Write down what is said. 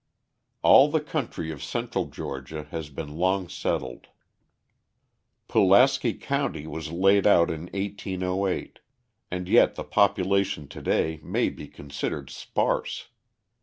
All the country of Central Georgia has been long settled. Pulaski County was laid out in 1808; and yet the population to day may be considered sparse.